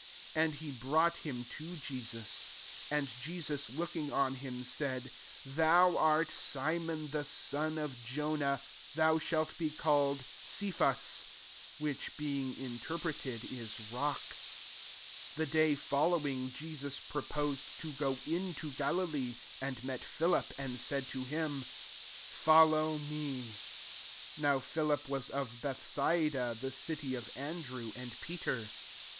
* 42 And he brought him to Jesus. And Jesus look * ing on him, said, " Thou art Simon, the son of Jonah : thou shalt be called Cephas :" (which being interpreted, is, Rock.)t 43 The day following, Jesus purposed to go into Galilee; and met Philip, and said to him, " Follow me." 44 (Now Philip was of Bethsaida, the city of Andrew and Peter.)